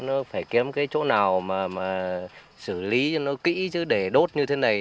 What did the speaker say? nó phải kém cái chỗ nào mà xử lý cho nó kỹ chứ để đốt như thế này